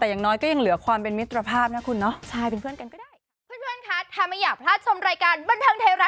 แต่อย่างน้อยก็ยังเหลือความเป็นมิตรภาพนะคุณเนาะ